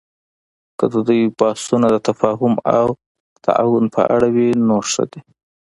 که د دوی بحثونه د تفاهم او تعاون په اړه وي، نو ښه دي